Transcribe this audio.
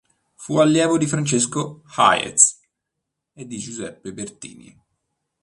Fu allievo di Francesco Hayez e di Giuseppe Bertini.